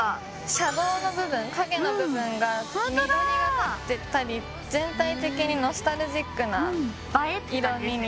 シャドーの部分陰の部分が緑がかってたり全体的にノスタルジックな色みに。